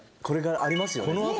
これからありますよね。